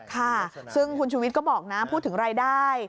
ค่ะซึ่งคุณชูวิทย์ก็บอกนะพูดถึงรายได้